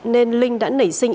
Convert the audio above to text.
nên linh đã nảy sinh